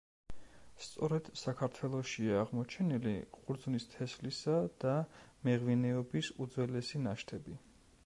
სწორედ საქართველოშია აღმოჩენილი ყურძნის თესლისა და მეღვინეობის უძველესი ნაშთები.